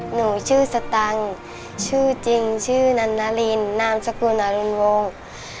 หนูชื่อสตังค์ชื่อจริงชื่อนันนารินนามสกุลอรุณวงศ์